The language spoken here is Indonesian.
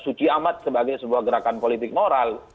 suci amat sebagai sebuah gerakan politik moral